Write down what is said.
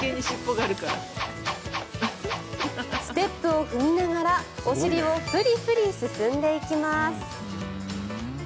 ステップを踏みながらお尻をフリフリ進んでいきます。